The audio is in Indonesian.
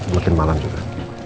mungkin malam juga